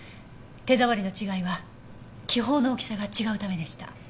手触りの違いは気泡の大きさが違うためでした。